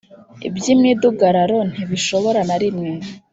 By imidugararo ntibishobora na rimwe